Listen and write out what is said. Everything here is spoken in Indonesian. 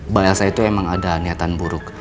mbak elsa itu emang ada niatan buruk